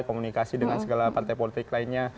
komunikasi dengan segala partai politik lainnya